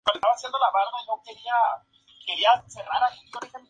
Tras su abolición, el voivodato pasó de nuevo a formar parte de Lublin.